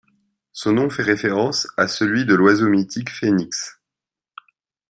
Son nom fait référence à celui de l'oiseau mythique Phénix.